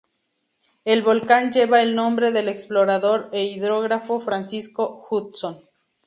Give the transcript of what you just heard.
El volcán lleva el nombre del explorador e hidrógrafo Francisco Hudson.